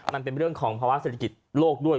มันเป็นเรื่องของภาวะเศรษฐกิจโลกด้วย